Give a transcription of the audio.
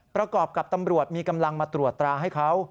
ประกอบกับตำรวจมีกำลังมาตรวจตราให้เขา